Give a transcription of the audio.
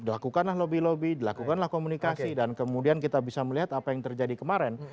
lakukanlah lobby lobby dilakukanlah komunikasi dan kemudian kita bisa melihat apa yang terjadi kemarin